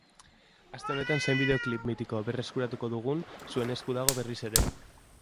Aste honetan zein bideoklip mitiko berreskuratuko dugun zuen esku dago berriz ere.